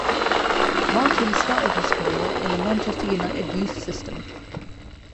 Martin started his career in the Manchester United youth system.